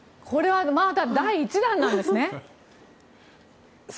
これはまだ第１弾なんですね。